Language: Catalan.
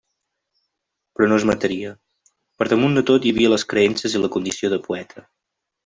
Però no es mataria; per damunt de tot hi havia les creences i la condició de poeta.